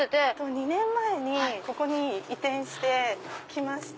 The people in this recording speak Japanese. ２年前にここに移転して来まして。